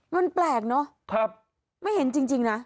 มันแปลกเนอะไม่เห็นจริงนะ